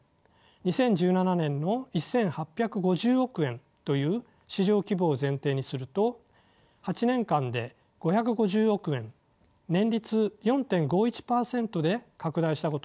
２０１７年の１，８５０億円という市場規模を前提にすると８年間で５５０億円年率４．５１％で拡大したことになります。